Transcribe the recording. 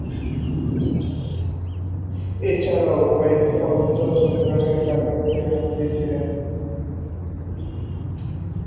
এছাড়াও কয়েকটি অর্ধ-শতরানের কাছাকাছি রান পেয়েছিলেন।